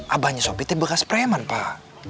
abahnya sopi tuh bekas preman pak